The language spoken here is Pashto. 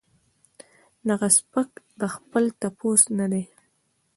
دغه سپک د خپل تپوس نۀ دي